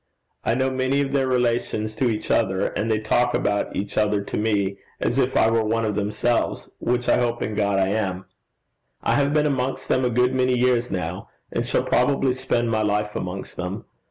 I know many of their relations to each other, and they talk about each other to me as if I were one of themselves, which I hope in God I am. I have been amongst them a good many years now, and shall probably spend my life amongst them.